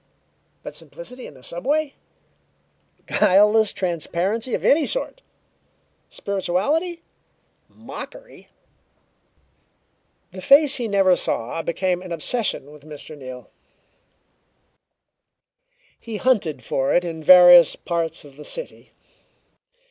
But simplicity in the subway? Guileless transparency of any sort? Spirituality? Mockery! The face he never saw became an obsession with Mr. Neal. He hunted for it in various parts of the city.